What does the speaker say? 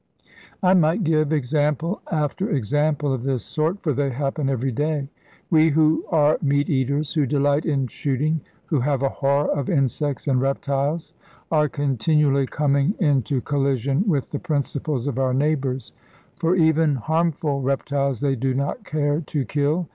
I might give example after example of this sort, for they happen every day. We who are meat eaters, who delight in shooting, who have a horror of insects and reptiles, are continually coming into collision with the principles of our neighbours; for even harmful reptiles they do not care to kill.